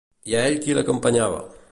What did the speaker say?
I a ell qui l'acompanyava?